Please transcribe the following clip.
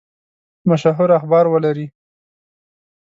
مشهور اخبار ولري.